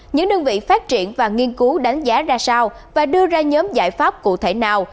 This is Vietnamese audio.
những đơn vị phát triển và nghiên cứu đánh giá ra sao và đưa ra nhóm giải pháp cụ thể nào